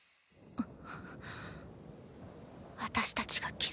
あっ。